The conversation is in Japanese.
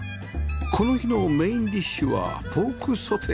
この日のメインディッシュはポークソテー